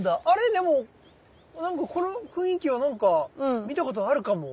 でもこの雰囲気はなんか見たことあるかも。